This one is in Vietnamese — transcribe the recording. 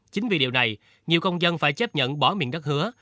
chính vì điều này nhiều công dân phải chấp nhận bỏ miền đất hứa